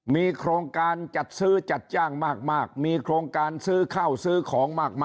มีโครงการจัดซื้อจัดจ้างมากมีโครงการซื้อข้าวซื้อของมาก